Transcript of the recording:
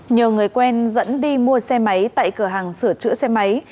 nhờ người quen dẫn đi mua xe máy tại cửa hàng sửa chữa xe máy